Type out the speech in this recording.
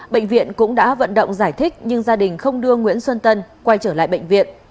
bệnh viện cũng đã vận động giải thích nhưng gia đình không đưa nguyễn xuân tân quay trở lại bệnh viện